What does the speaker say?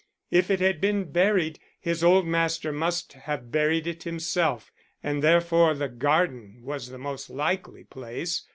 If it had been buried, his old master must have buried it himself, and therefore the garden was the most likely place.